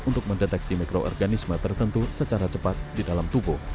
untuk mendeteksi mikroorganisme tertentu secara cepat di dalam tubuh